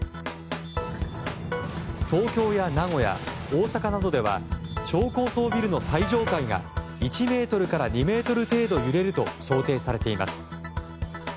東京や名古屋、大阪などでは超高層ビルの最上階が１ｍから２ｍ程度揺れると想定されています。